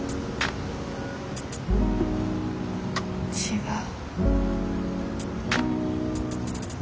違う。